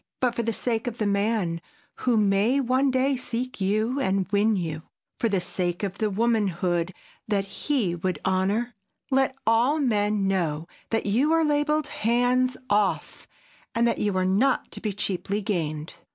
But for the sake of the man who may one day seek you and win you—for the sake of the womanhood that he would honor—let all men know that you are labeled—"HANDS OFF!" and that you are not to be cheaply gained.